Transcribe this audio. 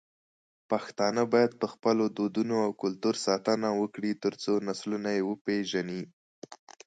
پښتانه بايد په خپلو دودونو او کلتور ساتنه وکړي، ترڅو نسلونه يې وپېژني.